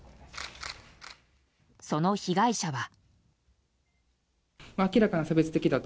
その被害者は。